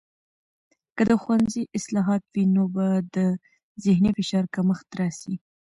که د ښوونځي اصلاحات وي، نو به د ذهني فشار کمښت راسي.